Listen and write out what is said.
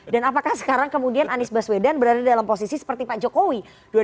dan apakah sekarang kemudian anies baswedan berada dalam posisi seperti pak jokowi